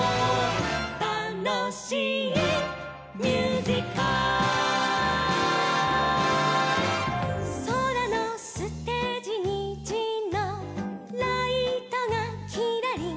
「たのしいミュージカル」「そらのステージにじのライトがきらりん」